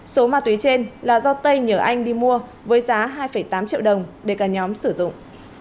số ma túy trên là do tây nhờ anh đi mua với giá hai tám triệu đồng để cả nhóm sử dụng